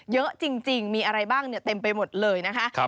เยอะจริงมีอะไรบ้างเต็มไปหมดเลยนะคะ